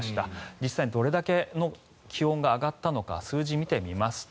実際にどれだけ気温が上がったのか数字を見てみますと